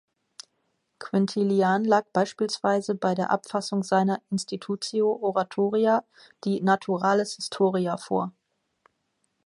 Quintilian lag beispielsweise bei der Abfassung seiner "Institutio oratoria" die "Naturalis historia" vor.